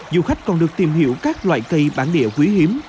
du khách còn được tìm hiểu các loại cây bản địa quý hiếm